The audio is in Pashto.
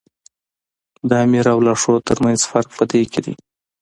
د آمر او لارښود تر منځ فرق په دې کې دی.